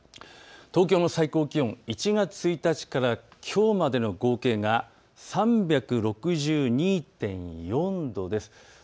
東京の最高気温、１月１日からきょうまでの合計が３６２．４度です。